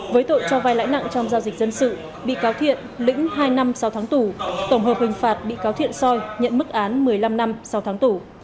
với tội cho vai lãi nặng trong giao dịch dân sự bị cáo thiện lĩnh hai năm sáu tháng tù tổng hợp hình phạt bị cáo thiện soi nhận mức án một mươi năm năm sau tháng tù